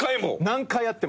何回やっても。